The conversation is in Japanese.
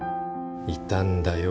いたんだよ